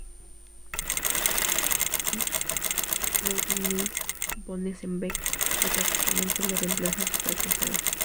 Theodor Friedrich Ludwig Nees von Esenbeck, y prácticamente lo reemplaza a su precoz edad.